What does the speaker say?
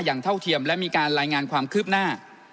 เท่าเทียมและมีการรายงานความคืบหน้า